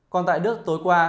còn tại đức tối qua